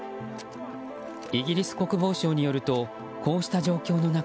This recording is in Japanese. イギリス国防省によるとこうした状況の中